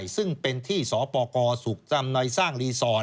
ซึ่งเป็นที่สปกสุขจำในสร้างรีสอร์ท